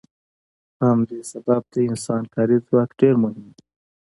په همدې سبب د انسان کاري ځواک ډیر مهم دی.